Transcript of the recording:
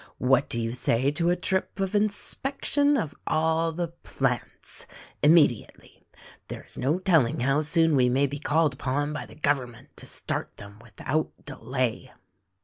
What do you say to a trip of inspection of all the plants, imme diately. There is no telling how soon we may be called upon by the government to start them without delay."